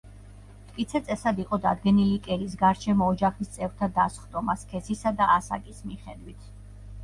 მტკიცე წესად იყო დადგენილი კერის გარშემო ოჯახის წევრთა დასხდომა სქესისა და ასაკის მიხედვით.